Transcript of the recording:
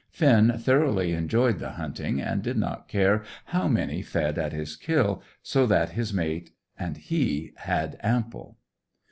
Finn thoroughly enjoyed the hunting, and did not care how many fed at his kill, so that his mate and he had ample.